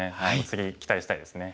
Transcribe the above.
次期待したいですね。